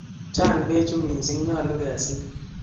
Chang' pechu missing', nyalu kesil.